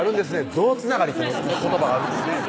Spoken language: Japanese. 象つながりって言葉あるんですね